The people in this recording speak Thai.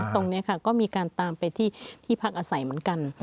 ตรงนี้ค่ะก็มีการตามไปที่พักอาศัยเหมือนกัน